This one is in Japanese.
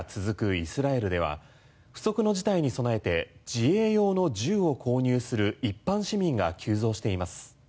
イスラエルでは不測の事態に備えて自衛用の銃を購入する一般市民が急増しています。